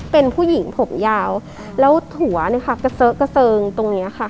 เป็นผู้หญิงผมยาวแล้วถั่วเนี่ยค่ะกระเซอะกระเซิงตรงเนี้ยค่ะ